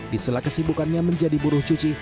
di sela kesibukannya menjadi buruh cuci